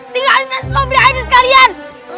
tinggalin aja sombri aja sekalian